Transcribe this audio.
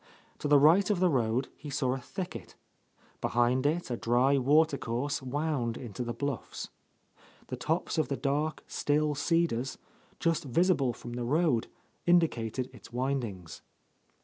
To the right of the road he saw a thicket. Behind it a dry water course wound into the blufFs. The tops of the dark, still cedars, just visible from the road, in dicated its windings.